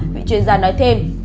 vị chuyên gia nói thêm